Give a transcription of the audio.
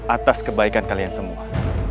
atas kebaikan kalian semua